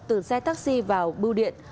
từ xe taxi vào bưu điện